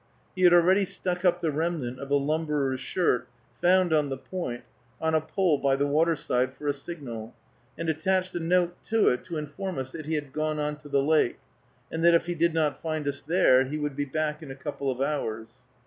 He had already stuck up the remnant of a lumberer's shirt, found on the point, on a pole by the waterside, for a signal, and attached a note to it, to inform us that he had gone on to the lake, and that if he did not find us there, he would be back in a couple of hours.